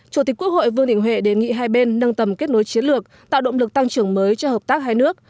chủ tịch quốc hội vương đình huệ đề nghị hai bên nâng tầm kết nối chiến lược tạo động lực tăng trưởng mới cho hợp tác hai nước